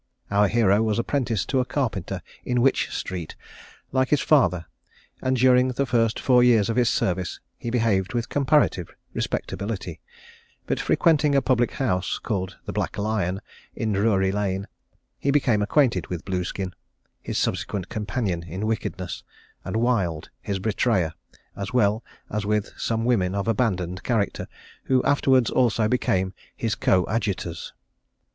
Our hero was apprenticed to a carpenter in Wych street, like his father, and during the first four years of his service he behaved with comparative respectability; but frequenting a public house, called the Black Lion, in Drury Lane, he became acquainted with Blueskin, his subsequent companion in wickedness, and Wild, his betrayer, as well as with some women of abandoned character, who afterwards also became his coadjutors.